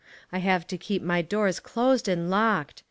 I have to keep my doors closed and locked.